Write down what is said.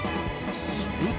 すると。